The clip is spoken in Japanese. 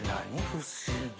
不思議。